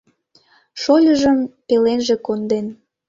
Шольыжым пеленже конден.